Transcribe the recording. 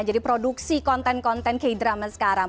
jadi produksi konten konten k drama sekarang